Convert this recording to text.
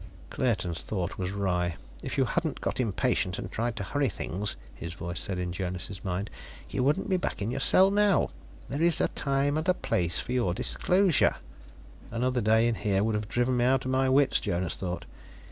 Claerten's thought was wry. "If you hadn't got impatient and tried to hurry things," his voice said in Jonas' mind, "you wouldn't be back in your cell now. There is a time and a place for your disclosure " "Another day in here would have driven me out of my wits," Jonas thought.